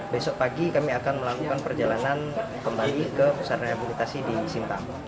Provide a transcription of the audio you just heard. besok pagi kami akan melakukan perjalanan kembali ke pusat rehabilitasi di simpang